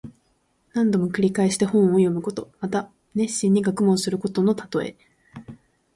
何度も繰り返して本を読むこと。また熱心に学問することのたとえ。